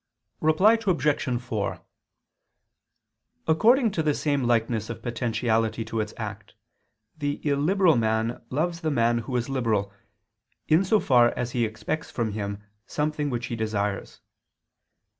Reply Obj. 4: According to the same likeness of potentiality to its act, the illiberal man loves the man who is liberal, in so far as he expects from him something which he desires.